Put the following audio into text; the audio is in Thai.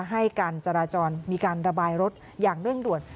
ให้การจราจรมีการระบายรถอย่างเร่งด่วน